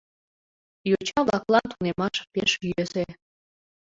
Йоча-влаклан тунемаш пеш йӧсӧ.